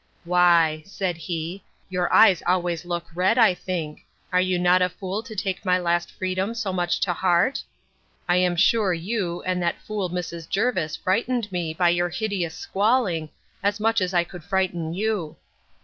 Why, said he, your eyes always look red, I think. Are you not a fool to take my last freedom so much to heart? I am sure you, and that fool Mrs. Jervis, frightened me, by your hideous squalling, as much as I could frighten you.